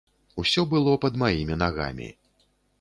Усё было пад маімі нагамі.